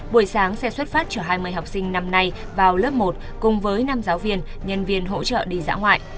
buổi sáng xe xuất phát trở hai mươi học sinh năm nay vào lớp một cùng với năm giáo viên nhân viên hỗ trợ đi dã ngoại